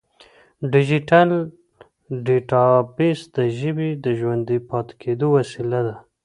ډیجیټل ډیټابیس د ژبې د ژوندي پاتې کېدو وسیله ده.